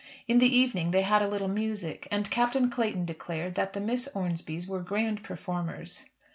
In the evening they had a little music, and Captain Clayton declared that the Miss Ormesbys were grand performers.